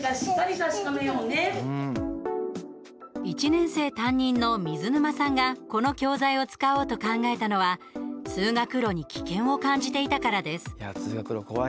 １年生担任の水沼さんがこの教材を使おうと考えたのは通学路に危険を感じていたからです。